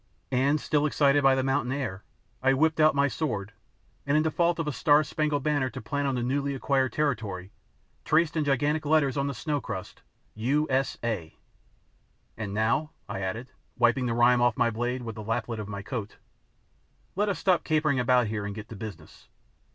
And, still excited by the mountain air, I whipped out my sword, and in default of a star spangled banner to plant on the newly acquired territory, traced in gigantic letters on the snow crust U.S.A. "And now," I added, wiping the rime off my blade with the lappet of my coat, "let us stop capering about here and get to business.